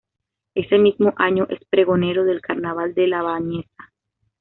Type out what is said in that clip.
Ese mismo año es pregonero del Carnaval de La Bañeza.